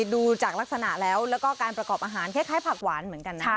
ดูจากลักษณะแล้วแล้วก็การประกอบอาหารคล้ายผักหวานเหมือนกันนะ